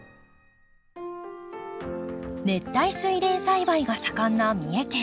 熱帯スイレン栽培が盛んな三重県。